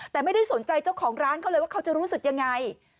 แต่ไม่ได้สนใจเจ้าของร้านเขาเลยว่าเขาจะรู้สึกยังไง